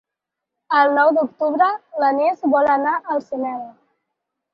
El nou d'octubre na Lis vol anar al cinema.